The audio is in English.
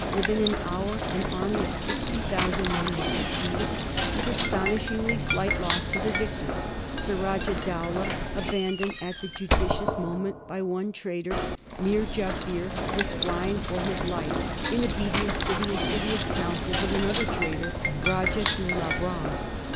Within an hour an army of sixty thousand men was defeated, with astonishingly slight loss to the vic tors ; Surajah Dowlah, abandoned at the judicious mo ment by one traitor, Meer Jaffier, was flying for his life in obedience to the insidious counsels of another traitor. Rajah Dulab Ram.